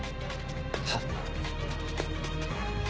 はっ？